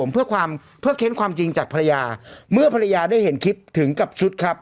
เพื่อความเพื่อเค้นความจริงจากภรรยาเมื่อภรรยาได้เห็นคลิปถึงกับสุดครับ